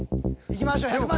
いきましょう。